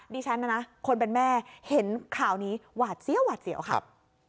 ดิฉันนะนะคนเป็นแม่เห็นข่าวนี้หวาดเสี่ยวครับ